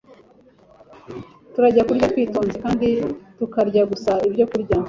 tukajya turya twitonze, kandi tukarya gusa ibyokurya